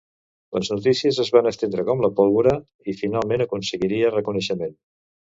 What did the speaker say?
Les notícies es van estendre com la pólvora i finalment aconseguiria reconeixement.